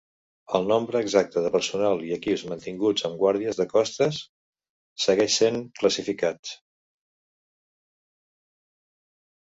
El nombre exacte de personal i equips mantinguts amb guàrdies de costes segueix sent classificats.